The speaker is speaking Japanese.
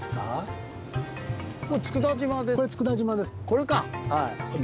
これか！